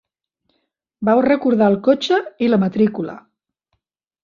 Vau recordar el cotxe i la matrícula.